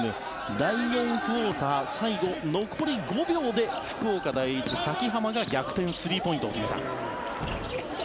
第４クオーター最後、残り５秒で福岡第一、崎濱が逆転スリーポイントを決めた。